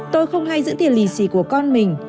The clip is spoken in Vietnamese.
tôi không hay giữ tiền lì xì của con mình